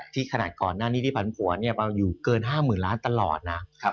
ขนาดก่อนหน้านี้ที่ผันผัวอยู่เกิน๕๐๐๐ล้านตลอดนะ